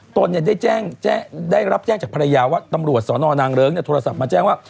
ตนได้รับแจ้งจากภรรยาว่าตำรวจสนนางเลิ้งโทรศัพท์มาแจ้งว่า